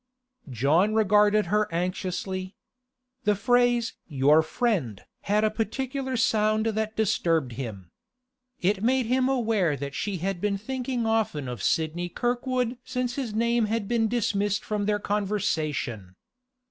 John regarded her anxiously. The phrase 'your friend' had a peculiar sound that disturbed him. It made him aware that she had been thinking often of Sidney Kirkwood since his name had been dismissed from their conversation.